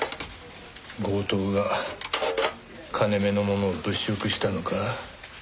強盗が金目のものを物色したのか？